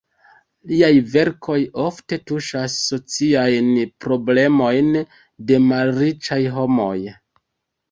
Liaj verkoj ofte tuŝas sociajn problemojn de malriĉaj homoj.